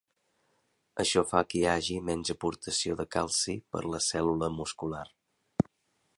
Això fa que hi hagi menys aportació de calci per la cèl·lula muscular.